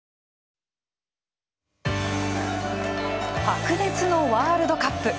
白熱のワールドカップ。